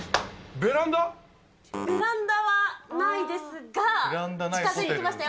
ベランダはないですが、近づいてきましたよ。